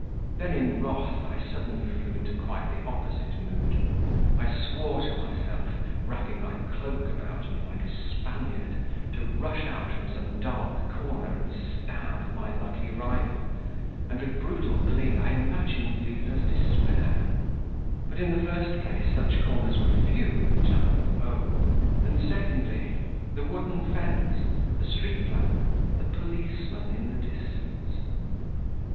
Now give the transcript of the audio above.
Then, in wrath, I suddenly flew into quite the opposite mood. I swore to myself, wrapping my cloak about me like a Spaniard, to rush out from some dark corner and stab my lucky rival, and with brutal glee I imagined Liza's despair.... But, in the first place, such corners were few in the town of O ; and, secondly the wooden fence, the street lamp, the policeman in the distance....